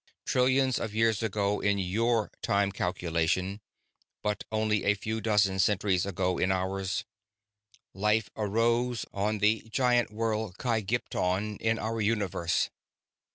"Trillions of years ago in your time calculation, but only a few dozen centuries ago in ours, life arose on the giant world Kygpton in our universe.